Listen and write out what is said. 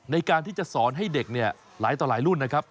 ในการที่จะสอนให้เด็กเนี่ยหลายต่อหลายรุ่นนะครับ